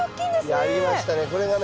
やりましたね。